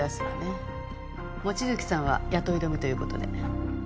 望月さんは雇い止めという事で。